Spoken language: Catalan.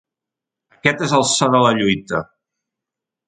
Aquest és el so de la lluita.